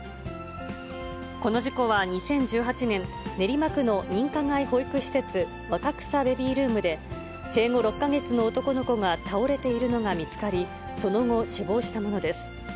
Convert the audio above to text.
この事故は２０１８年、練馬区の認可外保育施設、若草ベビールームで、生後６か月の男の子が倒れているのが見つかり、その後、死亡したものです。